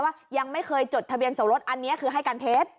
ยังไม่เคยจดทะเบียนสมรสอันนี้คือให้การเท็จ